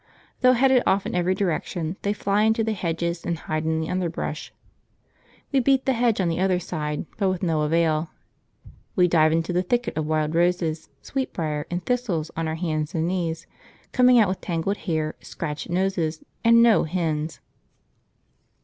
Though headed off in every direction, they fly into the hedges and hide in the underbrush. We beat the hedge on the other side, but with no avail. We dive into the thicket of wild roses, sweetbrier, and thistles on our hands and knees, coming out with tangled hair, scratched noses, and no hens.